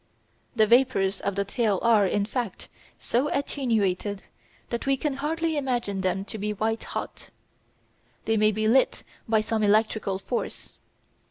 The vapours of the tail are, in fact, so attenuated that we can hardly imagine them to be white hot. They may be lit by some electrical force.